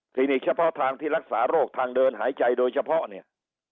นิกเฉพาะทางที่รักษาโรคทางเดินหายใจโดยเฉพาะเนี่ย